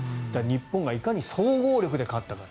日本がいかに総合力で勝ったかと。